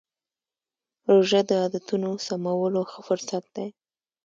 روژه د عادتونو سمولو ښه فرصت دی.